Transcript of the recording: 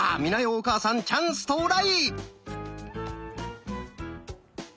お母さんチャンス到来！